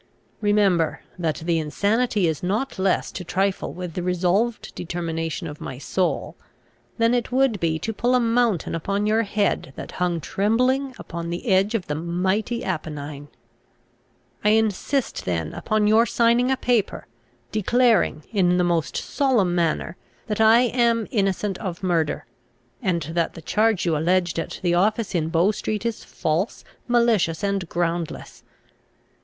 Remember, that the insanity is not less to trifle with the resolved determination of my soul, than it would be to pull a mountain upon your head that hung trembling upon the edge of the mighty Apennine! "I insist then upon your signing a paper, declaring, in the most solemn manner, that I am innocent of murder, and that the charge you alleged at the office in Bow street is false, malicious, and groundless.